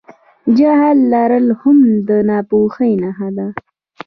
جهل لرل هم د ناپوهۍ نښه ده.